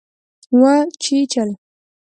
وچیچل